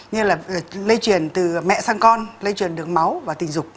như là lây chuyển từ mẹ sang con lây chuyển đường máu và tình dục